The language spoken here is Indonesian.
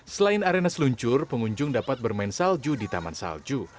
selain arena seluncur pengunjung dapat bermain salju di taman salju